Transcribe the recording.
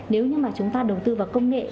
nếu như mà chúng ta đầu tư vào công nghệ